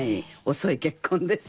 遅い結婚ですから。